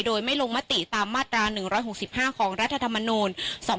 โดยไม่ลงมติตามมาตรา๑๖๕ของรัฐธรรมนูล๒๕๖